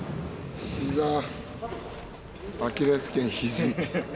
ひざアキレス腱ひじ。